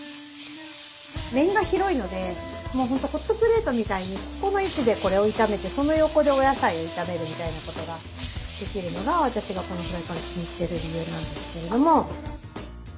面が広いのでもう本当ホットプレートみたいにここの位置でこれを炒めてその横でお野菜を炒めるみたいなことができるのが私がこのフライパン気に入ってる理由なんですけれども。